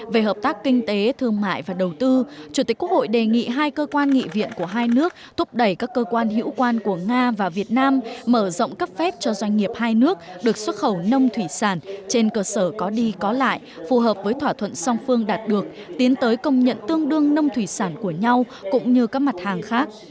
về hợp tác kinh tế thương mại và đầu tư chủ tịch quốc hội đề nghị hai cơ quan nghị viện của hai nước thúc đẩy các cơ quan hữu quan của nga và việt nam mở rộng cấp phép cho doanh nghiệp hai nước được xuất khẩu nông thủy sản trên cơ sở có đi có lại phù hợp với thỏa thuận song phương đạt được tiến tới công nhận tương đương nông thủy sản của nhau cũng như các mặt hàng khác